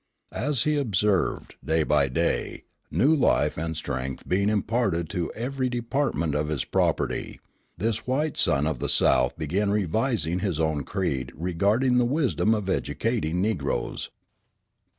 As he observed, day by day, new life and strength being imparted to every department of his property, this white son of the South began revising his own creed regarding the wisdom of educating Negroes.